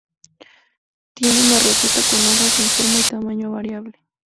Tiene una roseta con hojas en forma y tamaño variable.